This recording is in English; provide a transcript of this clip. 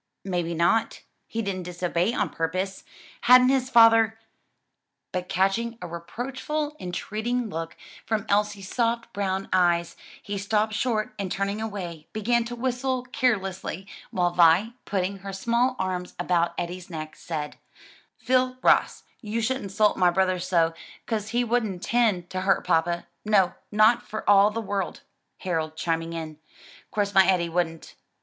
"May be not; he didn't disobey on purpose? hadn't his father " But catching a reproachful, entreating look from Elsie's soft, brown eyes, he stopped short and turning away, began to whistle carelessly, while Vi, putting her small arms about Eddie's neck, said, "Phil Ross, you shouldn't 'sult my brother so, 'cause he wouldn't 'tend to hurt papa; no, not for all the world;" Harold chiming in, "'Course my Eddie wouldn't!"